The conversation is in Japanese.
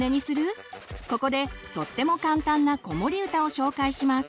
ここでとっても簡単な子守歌を紹介します。